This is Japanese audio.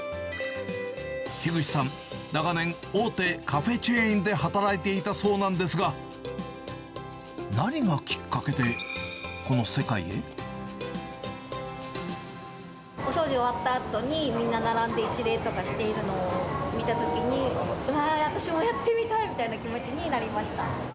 樋口さん、長年、大手カフェチェーンで働いていたそうなんですが、何がきっかけでお掃除終わったあとに、みんな並んで一礼とかしているのを見たときに、わー、私もやってみたいみたいな気持ちになりました。